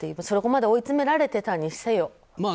そこまで追い詰められていたにせよ。